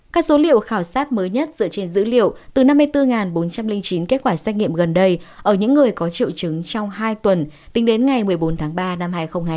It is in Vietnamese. các số liệu khảo sát mới nhất dựa trên dữ liệu từ năm mươi bốn bốn trăm linh chín kết quả xét nghiệm gần đây ở những người có triệu chứng trong hai tuần tính đến ngày một mươi bốn tháng ba năm hai nghìn hai mươi